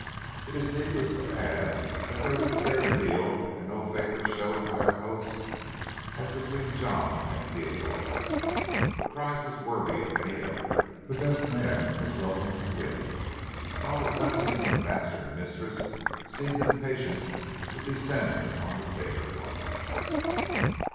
It is needless to add that there was a fair field and no favor shown by her hosts, as between John and Theodore. The prize was worthy of any effort. The best man was welcome to win, while the blessings of master and mistress seemed impatient to descend on the favored one.